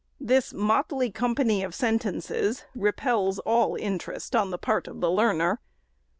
This motley company of sentences repels all interest on the part of the learner.